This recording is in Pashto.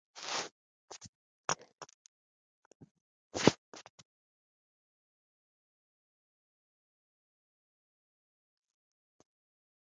دوی به د بریالیتوب سندرې ویلې.